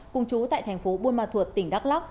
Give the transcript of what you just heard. cùng chú tại thành phố buôn ma thuột tỉnh đắk lắc